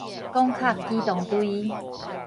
攻殼機動隊